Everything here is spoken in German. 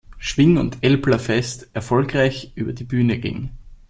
Schwing- und Älplerfest" erfolgreich über die Bühne ging.